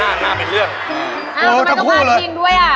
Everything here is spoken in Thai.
ฆ่ะเราทำไมต้องพ่อทิ้งด้วยอะ